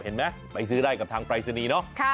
เห็นไหมไปซื้อได้กับทางไปรสนิเนอะ